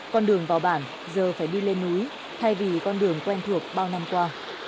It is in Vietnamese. con đường vào bản giờ phải đi lên núi thay vì con đường quen thuộc bao năm qua